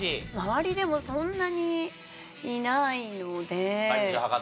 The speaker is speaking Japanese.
周りでもそんなにいないので。